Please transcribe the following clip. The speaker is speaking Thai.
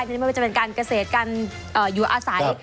นี่มันจะเป็นการเกษตรการอยู่อาศัย